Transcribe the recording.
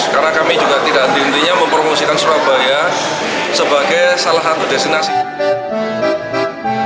karena kami juga tidak diuntungi mempromosikan surabaya sebagai salah satu